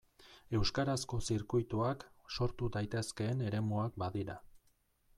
Euskarazko zirkuituak sortu daitezkeen eremuak badira.